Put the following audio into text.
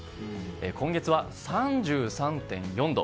今月は３３．４度。